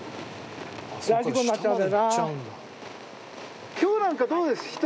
大事故になっちゃうんでな。